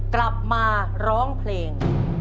กลับมาร้องเพลง